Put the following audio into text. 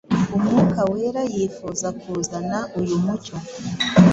Umwuka Wera yifuza kuzana uyu mucyo.